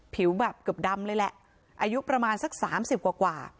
ผิวแบบเกือบดำเลยแหละอายุประมาณสักสามสิบกว่า